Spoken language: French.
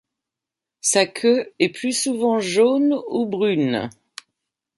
Sa queue est plus souvent jaune ou brune.